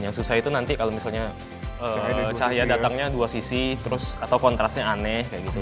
yang susah itu nanti kalau misalnya cahaya datangnya dua sisi atau kontrasnya aneh